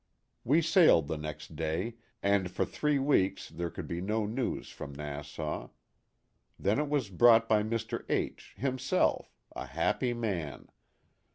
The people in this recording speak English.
We sailed the next day, and for three weeks there could be no news from Nassau. Then it was brought by Mr. H himself a happy man.